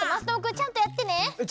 ちゃんとやってるよ。